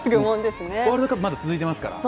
ワールドカップまだ続いてますから。